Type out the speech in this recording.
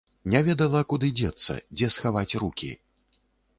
Не ведала, куды дзецца, дзе схаваць рукі.